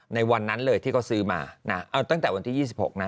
ในวันนั้นเลยที่เขาซื้อมานะเอาตั้งแต่วันที่๒๖นะ